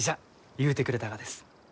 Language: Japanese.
ゆうてくれたがです。